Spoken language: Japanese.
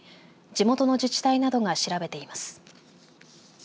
地元の自治体などが調べています。